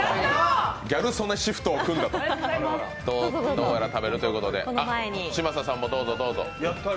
ギャル曽根シフトを組んだと、どうやら食べるということで嶋佐さんもどうぞどうぞ。